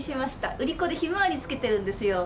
売り子でひまわりつけてるんですよ。